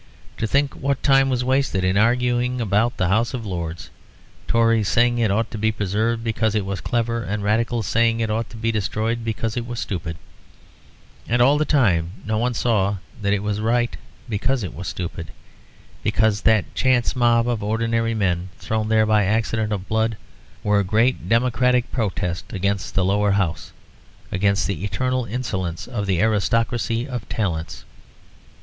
To think what time was wasted in arguing about the House of Lords, Tories saying it ought to be preserved because it was clever, and Radicals saying it ought to be destroyed because it was stupid, and all the time no one saw that it was right because it was stupid, because that chance mob of ordinary men thrown there by accident of blood, were a great democratic protest against the Lower House, against the eternal insolence of the aristocracy of talents.